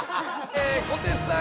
小手さん。